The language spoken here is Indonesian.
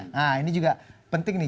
nah ini juga penting nih